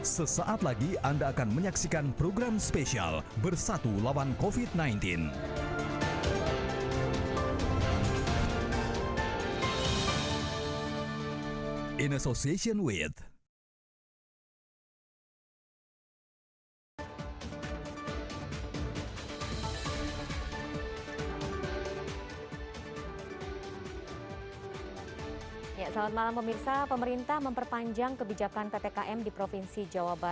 sesaat lagi anda akan menyaksikan program spesial bersatu lawan covid sembilan belas